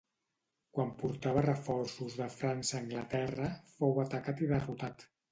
Quan portava reforços de França a Anglaterra fou atacat i derrotat.